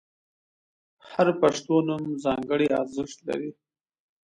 • هر پښتو نوم ځانګړی ارزښت لري.